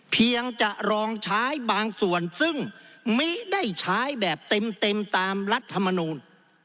เพียงจะลองใช้บางส่วนซึ่งไม่ได้ใช้แบบเต็มตามรัฐมนูล